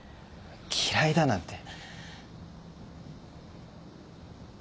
嫌いだなんて。